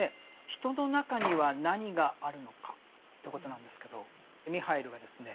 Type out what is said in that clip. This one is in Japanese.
「人の中には何があるのか？」ということなんですけどミハイルがですね